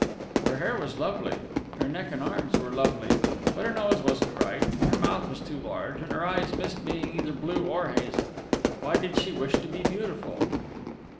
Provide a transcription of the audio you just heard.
Her hair was lovely; her neck and arms were lovely; but her nose wasn't right, her mouth was too large, and her eyes missed being either blue or hazel. Why did she wish to be beautiful?